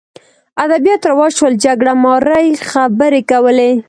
ادبیات رواج شول جګړه مارۍ خبرې کولې